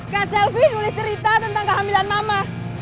kak selvi nulis cerita tentang kehamilan mama